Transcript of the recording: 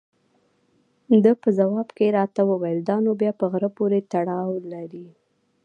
ده په ځواب کې راته وویل: دا نو بیا په غره پورې تړاو لري.